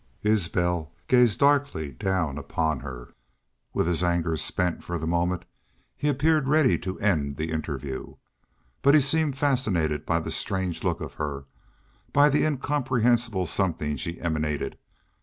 Isbel gazed darkly down upon her. With his anger spent for the moment, he appeared ready to end the interview. But he seemed fascinated by the strange look of her, by the incomprehensible something she emanated.